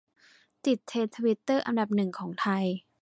ติดเทรนด์ทวิตเตอร์อันดับหนึ่งของไทย